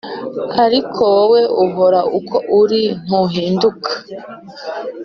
Ariko wowe uhora uko uri ntuhinduka‽